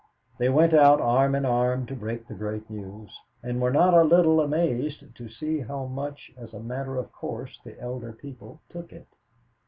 They went out arm in arm to break the great news, and were not a little amazed to see how much as a matter of course the elder people took it.